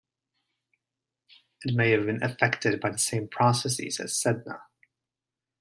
It may have been affected by the same processes as Sedna.